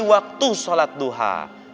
waktu sholat duha